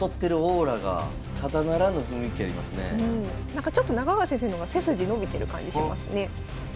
なんかちょっと中川先生の方が背筋伸びてる感じしますね。